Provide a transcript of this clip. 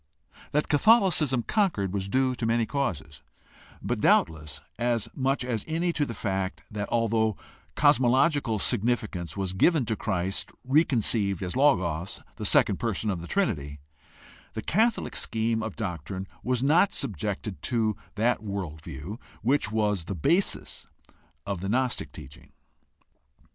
That Catholicism conquered was due to many causes, but doubtless as much as any to the fact that, although cosmological sig nificance was given to Christ reconceived as Logos, the second person of the Trinity, the Catholic scheme of doctrine was not subjected to that world view which was the basis of the gnostic teaching.